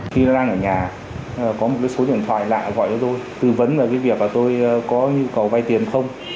khi nó đang ở nhà có một số điện thoại lại gọi cho tôi tư vấn về việc tôi có nhu cầu vay tiền không